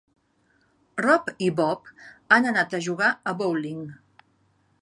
Rob i Bob han anat a jugar a bowling.